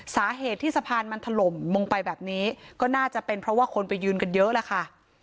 สาเหตุที่สะพานมันถล่มลงไปแบบนี้ก็น่าจะเป็นเพราะว่าคนไปยืนกันเยอะแหละค่ะ